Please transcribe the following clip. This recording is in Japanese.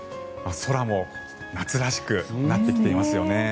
空も夏らしくなってきていますよね。